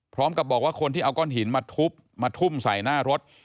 พร้อมกับบอกว่าคนที่เอาก้อนหินมาทุบมาทุ่มใส่หน้ารถ